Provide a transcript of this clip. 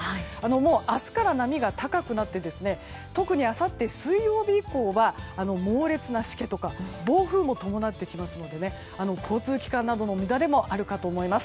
もう明日から波が高くなって特にあさって水曜日以降は猛烈なしけとか暴風も伴ってきますので交通機関などの乱れもあるかと思います。